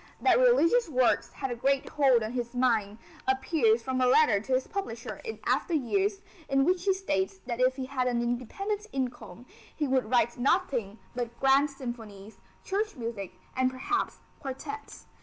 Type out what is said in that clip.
That religious works had a great hold on his mind, appears from a letter to his publisher in after years in which he states that if he had an independent income he would write nothing but grand symphonies, church music and perhaps quartets.